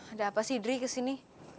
ada apa sih idri kesini